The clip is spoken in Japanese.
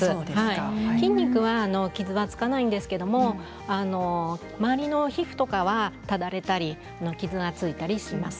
筋肉は傷がつきませんけれど周りの皮膚とかはただれてしまったり傷がついたりします。